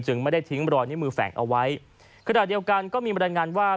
ไม่ได้ทิ้งรอยนิ้วมือแฝงเอาไว้ขณะเดียวกันก็มีบรรยายงานว่า